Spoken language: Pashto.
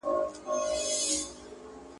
هر څوک په خپل نامه ها کوي.